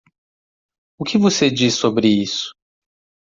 O que você diz sobre isso?